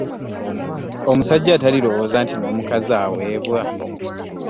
Omusajja atalirowooza nti n'omukazi aweebwa!